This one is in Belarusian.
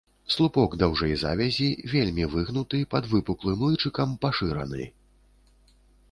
Слупок даўжэй завязі, вельмі выгнуты, пад выпуклым лычыкам пашыраны.